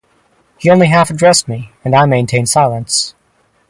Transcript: He only half addressed me, and I maintained silence.